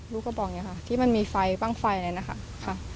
ลูกก็บอกเนี่ยค่ะที่มันมีไฟปั้งไฟอะไรนะคะค่ะ